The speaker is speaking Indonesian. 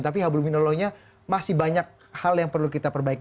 tapi hablumina lohnya masih banyak hal yang perlu dikawal